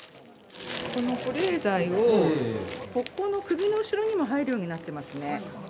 この保冷剤を、ここの首の後ろにも入るようになってますね。